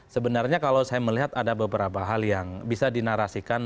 sebenarnya kalau saya melihat ada beberapa hal yang bisa dinarasikan